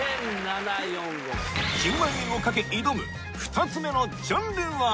１０万円を懸け挑む２つ目のジャンルは？